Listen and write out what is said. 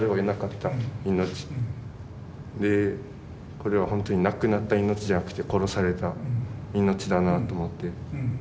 これは本当になくなった命じゃなくて殺された命だなあと思って。